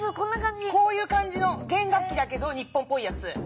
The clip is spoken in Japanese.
こういう感じの弦楽器だけど日本っぽいやつ。